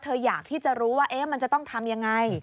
อยากที่จะรู้ว่ามันจะต้องทำยังไง